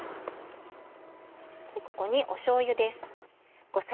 ここにしょうゆです。